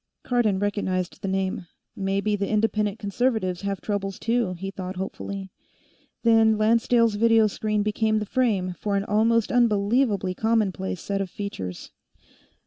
Cardon recognized the name. Maybe the Independent Conservatives have troubles, too, he thought hopefully. Then Lancedale's video screen became the frame for an almost unbelievably commonplace set of features.